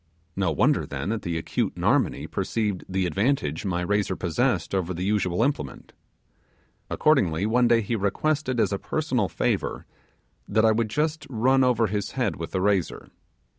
No wonder, then, that the acute Narmonee perceived the advantage my razor possessed over the usual implement. Accordingly, one day he requested as a personal favour that I would just run over his head with the razor.